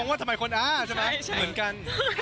ว่าทำไมคนอ้าใช่ไหมเหมือนกัน